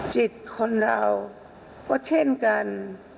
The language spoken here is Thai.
จิตคนเราก็เช่นกัน